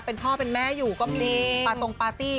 เป็นพ่อเป็นแม่อยู่ก็มีปาตรงปาร์ตี้